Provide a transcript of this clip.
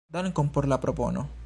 Dankon por la propono.